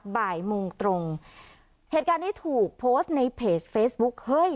บ่ายโมงตรงเหตุการณ์นี้ถูกโพสต์ในเพจเฟซบุ๊คเฮ้ย